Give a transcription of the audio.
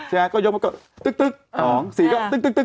ใช่ไหมก็ยกมาก็